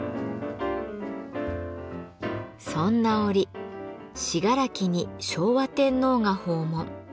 そんな折信楽に昭和天皇が訪問。